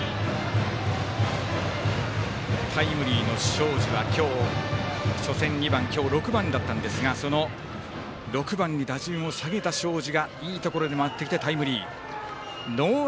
タイムリーの東海林は今日、初戦２番今日６番だったんですが６番に打順を下げた東海林がいいところで回ってきてタイムリー。